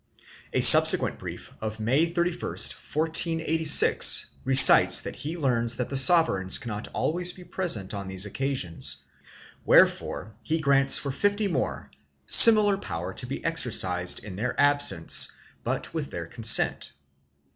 A sub sequent brief of May 31, 1486, recites that he learns that the sovereigns cannot always be present on these occasions, where fore he grants for fifty more similar power to be exercised in their absence but with their consent.